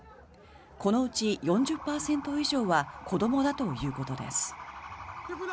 このうち４０％以上は子どもだということです。